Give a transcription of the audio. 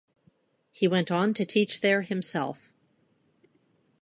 He went on to teach there himself.